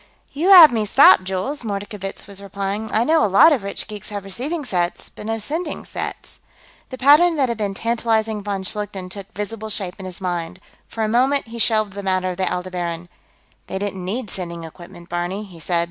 "You have me stopped, Jules," Mordkovitz was replying. "I know a lot of rich geeks have receiving sets, but no sending sets." The pattern that had been tantalizing von Schlichten took visible shape in his mind. For a moment, he shelved the matter of the Aldebaran. "They didn't need sending equipment, Barney," he said.